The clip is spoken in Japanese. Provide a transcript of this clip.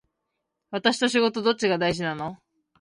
私と仕事どっちが大事なの